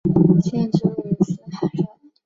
县治位于斯卡杜。